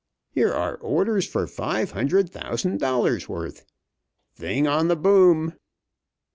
Here are orders for five hundred thousand dollars' worth. Thing on the boom.